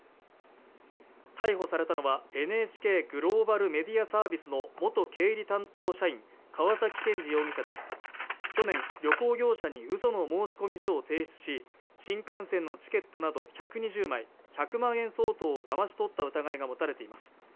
逮捕されたのはＮＨＫグローバルメディアサービスの元経理担当社員川崎健治容疑者で去年旅行業者にうその申し込み書を提出し新幹線のチケットなど１２０枚１００万円相当をだまし取った疑いが持たれています